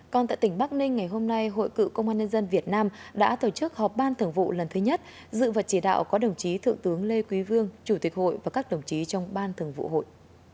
còn tại tỉnh bắc ninh ngày hôm nay hội cựu công an nhân dân việt nam đã tổ chức họp ban thường vụ lần thứ nhất dự vật chỉ đạo có đồng chí thượng tướng lê quý vương chủ tịch hội và các đồng chí trong ban thường vụ hội